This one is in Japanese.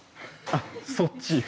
あっそっち？